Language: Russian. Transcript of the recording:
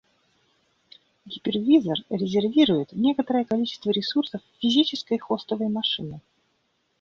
Гипервизор «резервирует» некоторое количество ресурсов физической хостовой машины